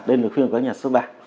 đến được khuyên của các nhà sơ bản